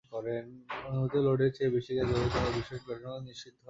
অনুমোদিত লোডের চেয়ে বেশি গ্যাস ব্যবহার করার বিষয়টি প্রাথমিকভাবে নিশ্চিত হওয়া গেছে।